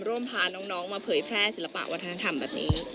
พาน้องมาเผยแพร่ศิลปะวัฒนธรรมแบบนี้